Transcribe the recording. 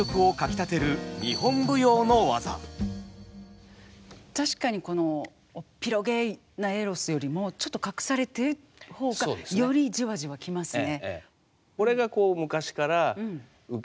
これが確かにおっぴろげなエロスよりもちょっと隠されている方がよりじわじわ来ますね。